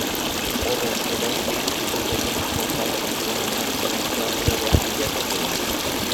Horrez geroztik, diru gehien kobratzen duen emakumezko aktorea bilakatu da.